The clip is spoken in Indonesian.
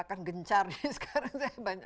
kan gencar sekarang saya